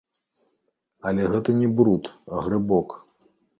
Але гэта не бруд, а грыбок.